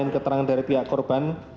yang diterangkan dari pihak korban